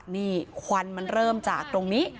นี่ควันมันเริ่มจากตรงนี้